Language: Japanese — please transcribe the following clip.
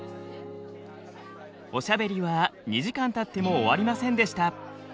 おしゃべりは２時間たっても終わりませんでした。